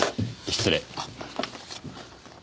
失礼。